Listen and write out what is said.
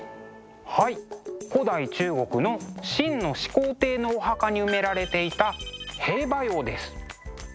はい古代中国の秦の始皇帝のお墓に埋められていた兵馬俑です。